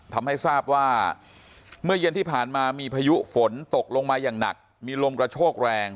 ทำให้ทราบว่าเมื่อเย็นที่ผ่านมามีพายุฝนตกลงมาอย่างหนักมีลมกระโชกแรง